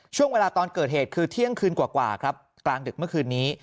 ตอนเกิดเหตุคือเที่ยงคืนกว่าครับกลางดึกเมื่อคืนนี้